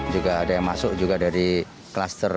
juga ada yang masuk juga dari kluster